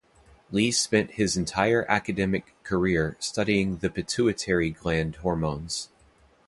Li spent his entire academic career studying the pituitary-gland hormones.